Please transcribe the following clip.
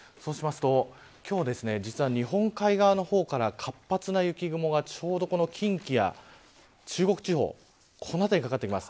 今日実は日本海側の方から活発な雪雲が、ちょうど近畿や中国地方この辺りにかかってきます。